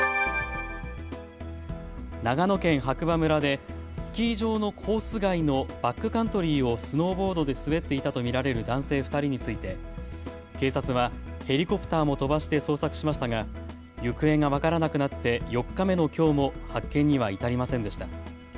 長野県白馬村でスキー場のコース外のバックカントリーをスノーボードで滑っていたと見られる男性２人について警察はヘリコプターも飛ばして捜索しましたが行方が分からなくなって４日目のきょうも発見には至りませんでした。